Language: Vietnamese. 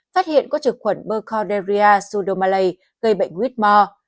phát hiện có trực khuẩn bercorderia pseudomallei gây bệnh whitmore